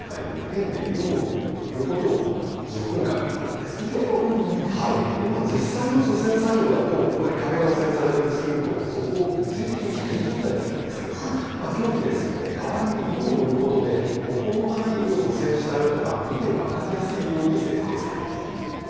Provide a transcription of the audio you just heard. でまあ実際の除染作業だとこれ壁が汚染されてるとするとそこを物理的に削り取ったりするんですけども競技ですので代わりに色を塗ることでここの範囲を除染したよと見て分かりやすいように設定されているんです。